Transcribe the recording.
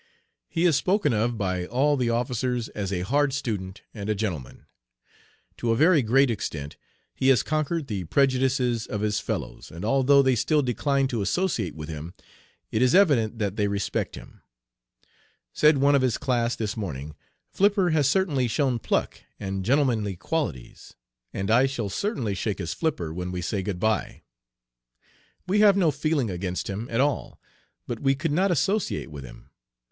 "He is spoken of by all the officers as a hard student and a gentleman. To a very great extent he has conquered the prejudices of his fellows, and although they still decline to associate with him it is evident that they respect him. Said one of his class this morning: 'Flipper has certainly shown pluck and gentlemanly qualities, and I shall certainly shake his "flipper" when we say "Good by." We have no feeling against him at all, but we could not associate with him.